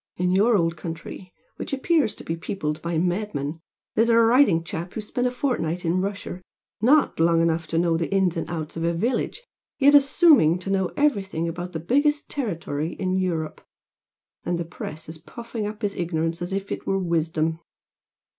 In your old country, which appears to be peopled by madmen, there's a writing chap who spent a fortnight in Russia, not long enough to know the ins and outs of a village, yet assuming to know everything about the biggest territory in Europe, and the press is puffing up his ignorance as if it were wisdom.